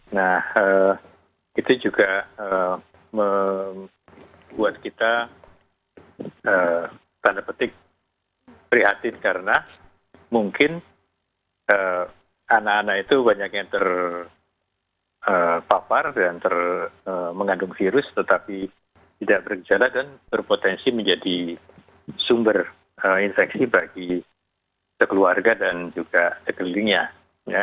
nah itu juga membuat kita tanda petik prihatin karena mungkin anak anak itu banyak yang terpapar dan mengandung virus tetapi tidak bergejala dan berpotensi menjadi sumber infeksi bagi sekeluarga dan juga sekelilingnya